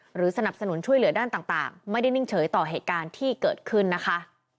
สนับสนุนช่วยเหลือด้านต่างไม่ได้นิ่งเฉยต่อเหตุการณ์ที่เกิดขึ้นนะคะ